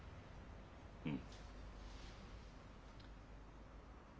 うん。